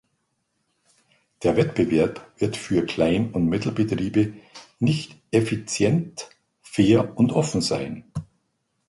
Der Wettbewerb wird für Klein- und Mittelbetriebe nicht effizient, fair und offen sein.